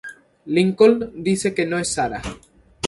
Lincoln dice que no es Sara.